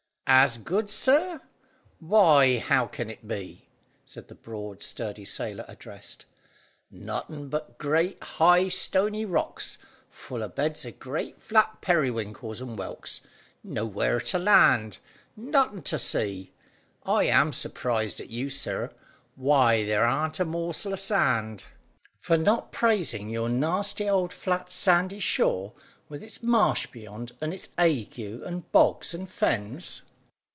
"As good, sir? Why, how can it be?" said the broad, sturdy sailor addressed. "Nothin' but great high stony rocks, full o' beds of great flat periwinkles and whelks; nowhere to land, nothin' to see. I am surprised at you, sir. Why, there arn't a morsel o' sand." "For not praising your nasty old flat sandy shore, with its marsh beyond, and its ague and bogs and fens."